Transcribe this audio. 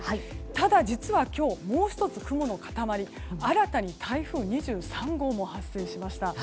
ただ、実は今日もう１つ雲の塊新たに台風２３号も発生しました。